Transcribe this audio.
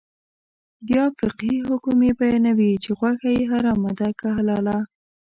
بیا فقهي حکم یې بیانوي چې غوښه یې حرامه ده که حلاله.